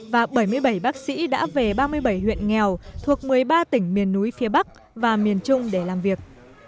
và bảy mươi bảy bác sĩ đã về ba mươi bảy huyện nghèo thuộc một mươi ba tỉnh miền núi phía bắc và miền trung để làm việc